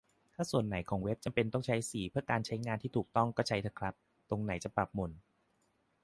ถ้าส่วนไหนของเว็บจำเป็นต้องใช้สีเพื่อการใช้งานที่ถูกต้อง ก็ใช้เถอะครับ ตรงไหนจะปรับหม่น